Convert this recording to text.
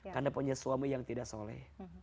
karena punya suami yang tidak soleh